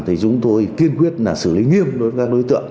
thì chúng tôi kiên quyết là xử lý nghiêm đối với các đối tượng